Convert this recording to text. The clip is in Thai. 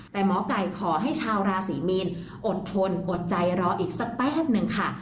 แต่หมอไก่ขอให้ชาวราศรีมีนอดทนอดใจรออีกสักแป๊บหนึ่งค่ะ